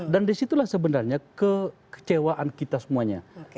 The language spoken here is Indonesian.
dan disitulah sebenarnya kekecewaan kita semuanya